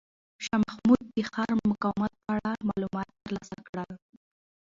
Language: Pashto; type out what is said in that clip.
شاه محمود د ښار د مقاومت په اړه معلومات ترلاسه کړل.